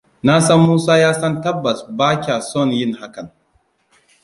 Na san Musa ya san tabbas ba kya son yin hakan.